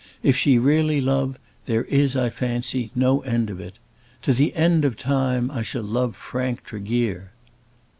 If she really love, there is, I fancy, no end of it. To the end of time I shall love Frank Tregear."